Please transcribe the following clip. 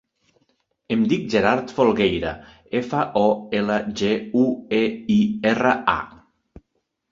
Em dic Gerard Folgueira: efa, o, ela, ge, u, e, i, erra, a.